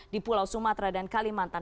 di pulau sumatera dan kalimantan